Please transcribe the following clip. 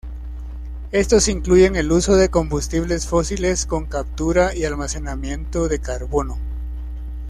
Estos incluyen el uso de combustibles fósiles con captura y almacenamiento de carbono.